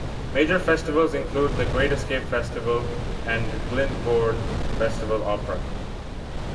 Major festivals include The Great Escape Festival and Glyndebourne Festival Opera.